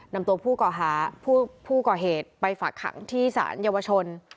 นำตัวผู้ก่อเหตุไปฝากขังที่ศาลเยาวชน